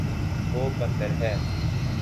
وہ بندر ہے